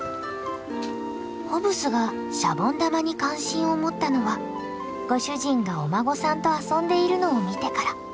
ホブスがシャボン玉に関心を持ったのはご主人がお孫さんと遊んでいるのを見てから。